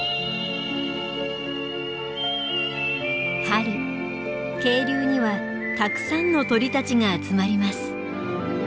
春渓流にはたくさんの鳥たちが集まります。